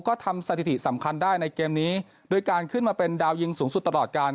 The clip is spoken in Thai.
ก็ทำสถิติสำคัญได้ในเกมนี้โดยการขึ้นมาเป็นดาวยิงสูงสุดตลอดการ